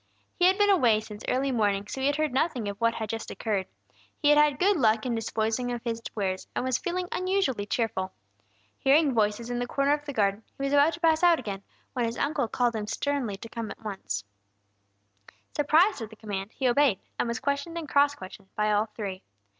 He had been away since early morning, so had heard nothing of what had just occurred; he had had good luck in disposing of his wares, and was feeling unusually cheerful. Hearing voices in the corner of the garden, he was about to pass out again, when his uncle called him sternly to come to him at once. Surprised at the command, he obeyed, and was questioned and cross questioned by all three.